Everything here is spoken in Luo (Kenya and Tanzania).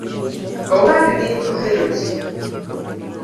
Owadgi ohero jii